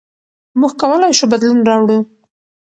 موږ کولای شو بدلون راوړو.